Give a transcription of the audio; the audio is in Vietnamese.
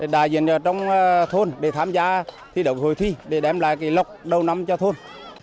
đại diện trong thôn để tham gia thi động hội thi để đem lại lọc đầu năm cho thôn